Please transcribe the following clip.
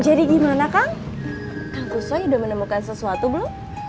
jadi gimana kang kang kusoy udah menemukan sesuatu belum